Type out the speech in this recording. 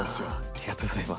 ありがとうございます。